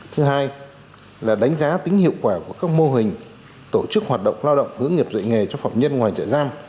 thứ hai là đánh giá tính hiệu quả của các mô hình tổ chức hoạt động lao động hướng nghiệp dạy nghề cho phạm nhân ngoài trại giam